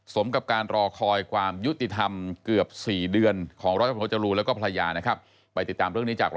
สมกับการรอคอยความยุติธรรม